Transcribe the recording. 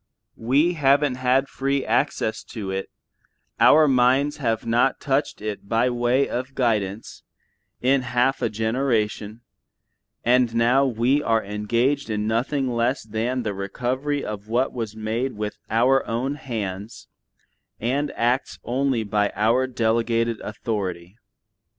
We haven't had free access to it, our minds have not touched it by way of guidance, in half a generation, and now we are engaged in nothing less than the recovery of what was made with our own hands, and acts only by our delegated authority.